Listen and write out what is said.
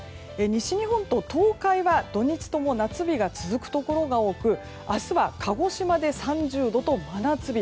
西日本と東海は土日とも夏日が続くところが多く明日は鹿児島で３０度と真夏日。